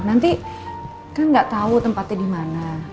nanti kan gak tau tempatnya dimana